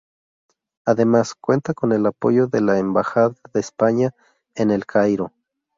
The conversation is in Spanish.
Además, cuenta con el apoyo de la Embajada de España en El Cairo.